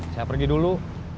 saya pergi dulu